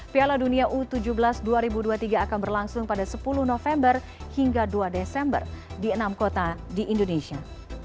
piala dunia u tujuh belas dua ribu dua puluh tiga akan berlangsung pada sepuluh november hingga dua desember di enam kota di indonesia